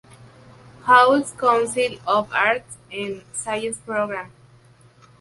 Paul's Council of Arts and Sciences Program.